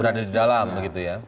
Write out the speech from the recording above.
berada di dalam begitu ya